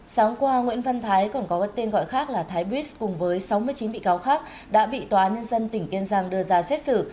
sáng qua nguyễn văn thái còn có tên gọi khác là thái bích cùng với sáu mươi chín bị cáo khác đã bị tòa nhân dân tỉnh kiên giang đưa ra xét xử